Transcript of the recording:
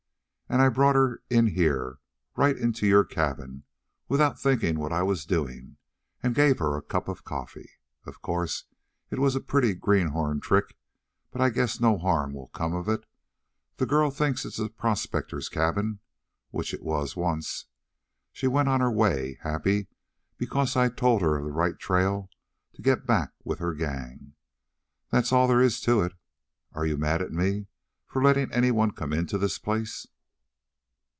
And I brought her in here right into your cabin, without thinking what I was doing, and gave her a cup of coffee. Of course it was a pretty greenhorn trick, but I guess no harm will come of it. The girl thinks it's a prospector's cabin which it was once. She went on her way, happy, because I told her of the right trail to get back with her gang. That's all there is to it. Are you mad at me for letting anyone come into this place?"